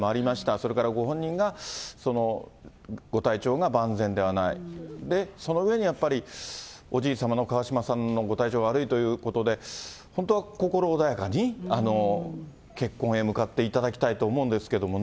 それからご本人がご体調が万全ではない、その上でおじいさまの川嶋さんのご体調が悪いということで、本当は心穏やかに結婚へ向かっていただきたいと思うんですけどね。